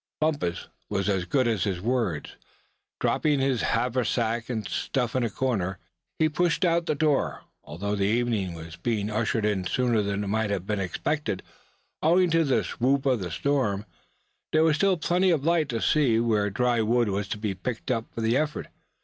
Bumpus was as good as his words. Dropping his haversack and staff in a corner, he pushed out of the door. Although the evening was being ushered in sooner than might have been expected, owing to the swoop of the storm, there was still plenty of light to see where dry wood was to be picked up for the effort.